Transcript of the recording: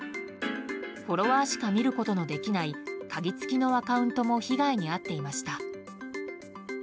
フォロワーしか見ることのできない鍵付きのアカウントも被害に遭っていました。